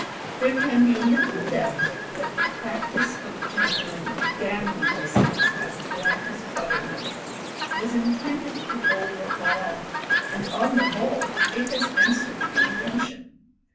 There can be little doubt that the practice of gentlemen "damning themselves as black as butter milk" was intended to overawe, and on the whole it has answered the intention.